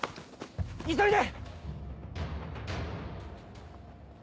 急いで！